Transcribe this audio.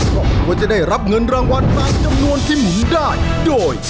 ครอบครัวจะได้รับเงินรางวัลตามจำนวนที่หมุนได้โดย